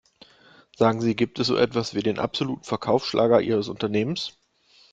Sagen Sie, gibt es so etwas wie den absoluten Verkaufsschlager ihres Unternehmens?